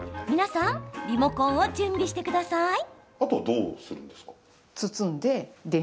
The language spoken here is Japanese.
皆さんリモコンを準備してください。